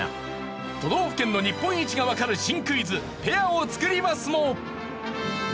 都道府県の日本一がわかる新クイズ「ペアをつくりマス」も！